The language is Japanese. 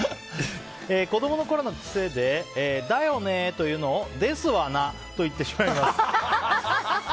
子供のころの癖でだよねというのをですわなと言ってしまいます。